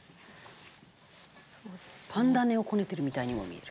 パン種をこねてるみたいにも見える。